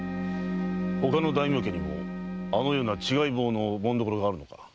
他の大名家にもあのような「違い棒」の紋所があるのか？